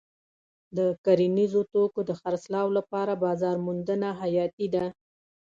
د کرنیزو توکو د خرڅلاو لپاره بازار موندنه حیاتي ده.